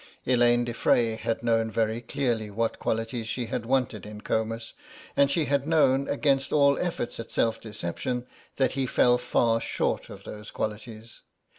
Elaine de Frey had known very clearly what qualities she had wanted in Comus, and she had known, against all efforts at self deception, that he fell far short of those qualities.